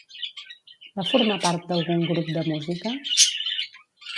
Va formar part d'algun grup de música?